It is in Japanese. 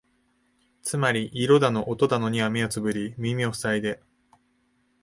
つまり色だの音だのには目をつぶり耳をふさいで、